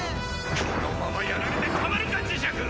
このままやられてたまるかジシャク！